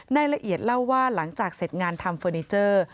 รายละเอียดเล่าว่าหลังจากเสร็จงานทำเฟอร์นิเจอร์